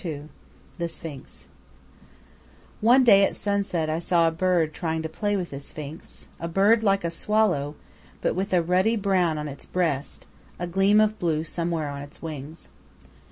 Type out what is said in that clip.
II THE SPHINX One day at sunset I saw a bird trying to play with the Sphinx a bird like a swallow, but with a ruddy brown on its breast, a gleam of blue somewhere on its wings.